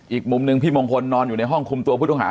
อีกมุมหนึ่งพี่มงคลนอนอยู่ในห้องคุมตัวผู้ต้องหา